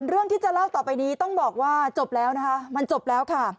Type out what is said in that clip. เรื่องที่จะเล่าต่อไปนี้ต้องบอกว่าจบแล้วนะคะมันจบแล้วค่ะ